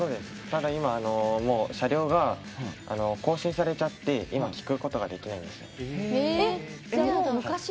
ただ今車両が更新されちゃって今、聞くことができないんですよね。